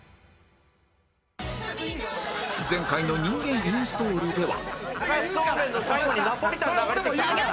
前回の人間インストールでは